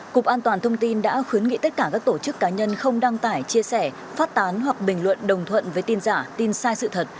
cục an toàn thông tin đã khuyến nghị tất cả các tổ chức cá nhân không đăng tải chia sẻ phát tán hoặc bình luận đồng thuận với tin giả tin sai sự thật